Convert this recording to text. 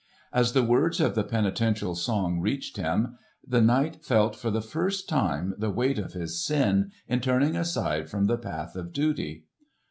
As the words of the penitential song reached him, the knight felt for the first time the weight of his sin in turning aside from the path of duty.